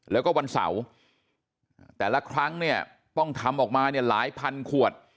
แล้วก็วันเสาร์แต่ละครั้งเนี่ยต้องทำออกมาเนี่ยหลายพันขวด